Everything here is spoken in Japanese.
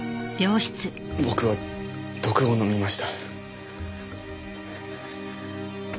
僕は毒を飲みました。